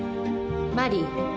マリー。